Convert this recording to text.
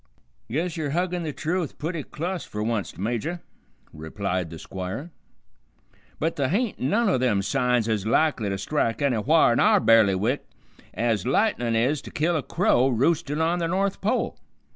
"Guess yer huggin' the truth pooty clus fer wunst, Major," replied the Squire, "but th' hain't none o' them signs ez likely to strike anywhar in our bailiwick ez lightnin' is to kill a crow roostin' on the North Pole.